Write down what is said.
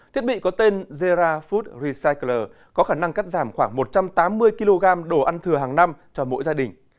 thiết bị có tên zerra food resecycle có khả năng cắt giảm khoảng một trăm tám mươi kg đồ ăn thừa hàng năm cho mỗi gia đình